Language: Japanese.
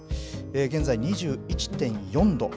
現在２１．４度。